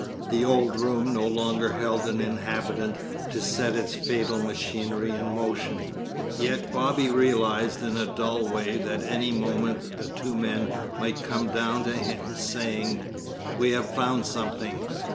The old room no longer held an inhabitant to set its fatal machinery in motion. Yet Bobby realized in a dull way that at any moment the two men might come down to him, saying: "We have found something.